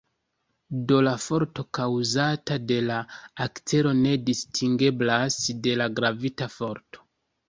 Do la forto kaŭzata de la akcelo ne distingeblas de la gravita forto.